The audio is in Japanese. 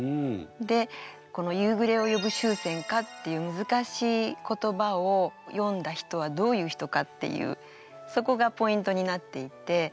でこの「夕暮れを呼ぶ秋蝉か」っていう難しい言葉を詠んだ人はどういう人かっていうそこがポイントになっていて。